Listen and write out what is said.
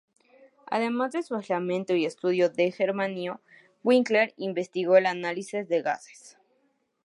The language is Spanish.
Además de su aislamiento y estudio de germanio, Winkler investigó el análisis de gases.